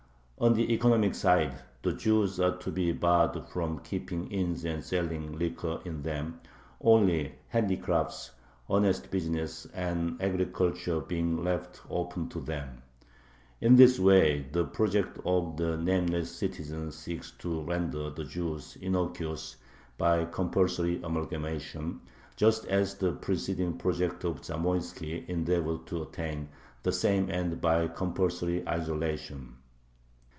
On the economic side the Jews are to be barred from keeping inns and selling liquor in them, only handicrafts, honest business, and agriculture being left open to them. In this way the project of the "Nameless Citizen" seeks to render the Jews "innocuous" by compulsory amalgamation, just as the preceding project of Zamoiski endeavored to attain the same end by compulsory isolation.